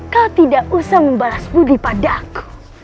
kau tidak usah membalas budi pada aku